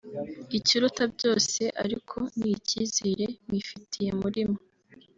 ikiruta byose ariko n’icyizere mwifitiye muri mwe